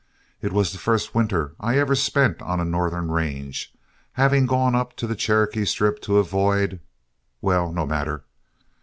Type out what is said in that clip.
It was the first winter I ever spent on a Northern range, having gone up to the Cherokee Strip to avoid well, no matter.